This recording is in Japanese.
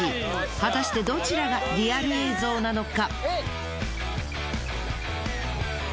果たしてどちらがリアル映像なのか？